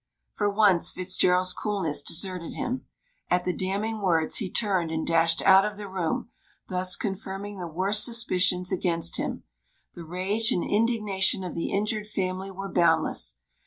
For once Fitzgerald's coolness deserted him. At the damning words he turned and dashed out of the room, thus confirming the worst suspicions against him. The rage and indignation of the injured family were boundless.